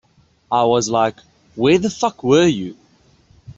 I was like Where the f--- were you?